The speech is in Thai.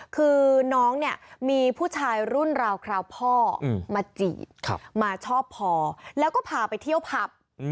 คือน้องเนี่ยมีผู้ชายรุ่นราวคราวพ่อมาจีบมาชอบพอแล้วก็พาไปเที่ยวผับ